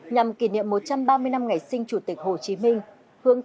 nhằm kỷ niệm một trăm ba mươi năm ngày sinh chủ tịch hồ chí minh